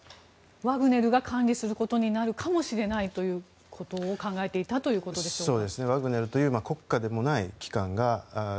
ワグネルが管理することになるかもしれないということを考えていたということでしょうか。